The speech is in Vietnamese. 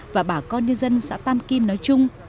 và bà con nhân dân xã tam kim nói chung